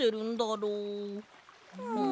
うん。